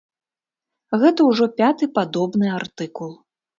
Гэта ўжо пяты падобны артыкул.